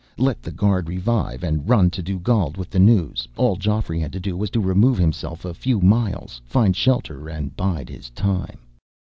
Let the guard revive and run to Dugald with the news. All Geoffrey had to do was to remove himself a few miles, find shelter, and bide his time.